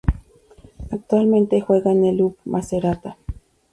Actualmente juega en el Lube Macerata.